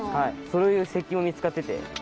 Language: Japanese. そういう石器も見つかってて。